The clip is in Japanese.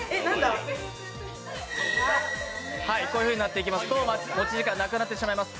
こういうふうになっていきますと持ち時間がなくなってしまいます。